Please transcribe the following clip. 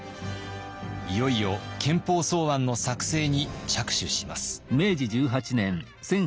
いよいよ憲法草案の作成に着手します。